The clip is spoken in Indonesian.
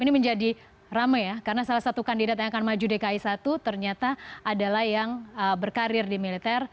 ini menjadi rame ya karena salah satu kandidat yang akan maju dki satu ternyata adalah yang berkarir di militer